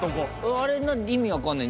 あれ意味分かんない